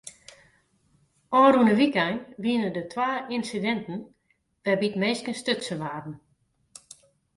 Ofrûne wykein wiene der twa ynsidinten wêrby't minsken stutsen waarden.